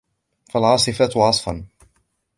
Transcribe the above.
فالعاصفات عصفا